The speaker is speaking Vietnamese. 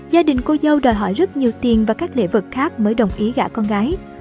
gia đình cô dâu đòi hỏi rất nhiều tiền và các lễ vật khác mới đồng ý gã con gái